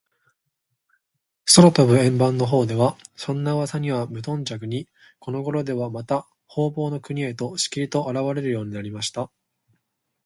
空とぶ円盤のほうでは、そんなうわさにはむとんじゃくに、このごろでは、また、ほうぼうの国へと、しきりと、あらわれるようになりました。